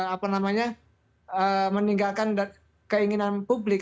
apa namanya meninggalkan keinginan publik